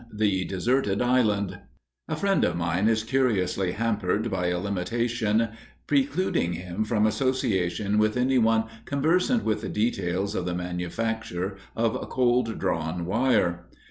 *The Deserted Island* A friend of mine is curiously hampered by a limitation precluding him from association with any one conversant with the details of the manufacture of cold drawn wire.